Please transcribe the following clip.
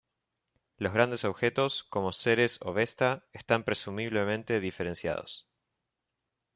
Los grandes objetos, como Ceres o Vesta, están presumiblemente diferenciados.